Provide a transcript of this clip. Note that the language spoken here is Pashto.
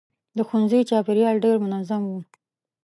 د ښوونځي چاپېریال ډېر منظم و.